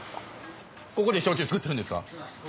ここで焼酎造ってるんですか？